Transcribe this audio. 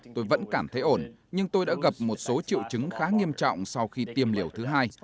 tôi vẫn cảm thấy ổn nhưng tôi đã gặp một số triệu chứng khá nghiêm trọng sau khi tiêm liều thứ hai